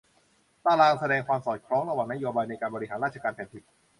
ตารางแสดงความสอดคล้องระหว่างนโยบายในการบริหารราชการแผ่นดิน